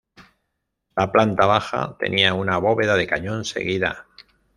La planta baja tenía una bóveda de cañón seguida.